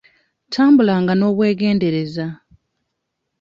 Tambulanga n'obwegendereza.